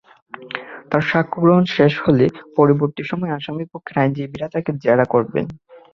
তাঁর সাক্ষ্য গ্রহণ শেষ হলে পরবর্তী সময় আসামিপক্ষের আইনজীবীরা তাঁকে জেরা করবেন।